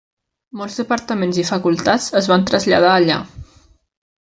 Molts departaments i facultats es van traslladar allà.